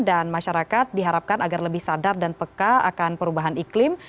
dan masyarakat diharapkan agar lebih sadar dan peka akan perubahan iklim